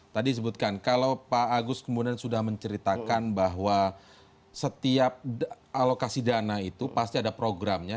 tadi disebutkan kalau pak agus kemudian sudah menceritakan bahwa setiap alokasi dana itu pasti ada programnya